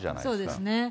そうですね。